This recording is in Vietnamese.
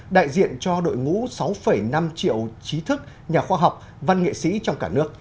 đại diện cho đội ngũ sáu năm triệu trí thức nhà khoa học văn nghệ sĩ trong cả nước